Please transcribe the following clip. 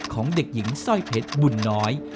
ของเด็กหญิงสร้อยเพชรบุญน้อย